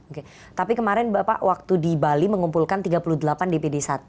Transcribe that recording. oke tapi kemarin bapak waktu di bali mengumpulkan tiga puluh delapan dpd satu